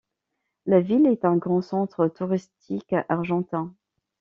La ville est un grand centre touristique argentin.